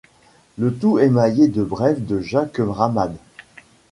Le tout émaillé de brèves de Jacques Ramade.